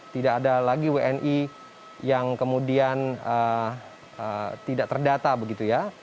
tidak ada lagi wni yang kemudian tidak terdata begitu ya